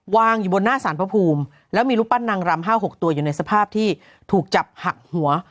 วางอยู่บนหน้าสารพระภูมิแล้วมีรูปปั้นนางรำ๕๖ตัวอยู่ในสภาพที่ถูกจับหักหัว